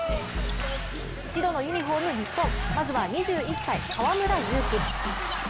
白のユニフォーム日本、まずは２１歳、河村勇輝。